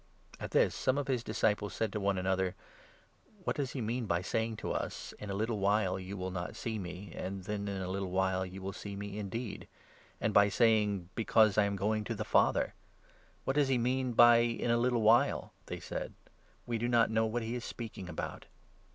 Farewell. At this some of his disciples said to one another : 17 "What does he mean by saying to us ' In a little while you will not see me, and then in a little while you will see me indeed '; and by saying ' Because I am going to the Father '? What does he mean by 'In a little while'?" they said; 18 ".we do not know what he is speaking about."